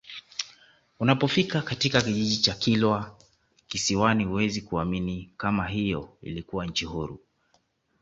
Unapofika katika kijiji cha Kilwa Kisiwani huwezi kuamini kama hiyo ilikuwa nchi huru